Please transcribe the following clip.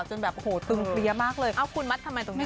จนแบบตึงเกลียร์มากเลยคุณมัดทำไมตรงนี้